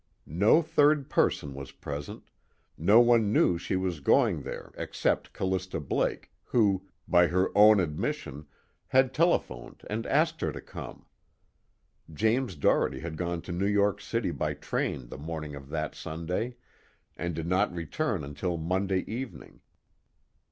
No third person was present, no one knew she was going there except Callista Blake who, by her own admission, had telephoned and asked her to come. James Doherty had gone to New York City by train the morning of that Sunday and did not return until Monday evening....